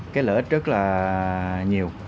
cái lợi ích rất là nhiều